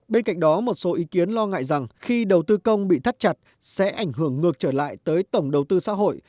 bên cạnh đó một số ý kiến lo ngại rằng khi đầu tư công bị thắt chặt sẽ ảnh hưởng ngược trở lại tới tổng đầu tư xã hội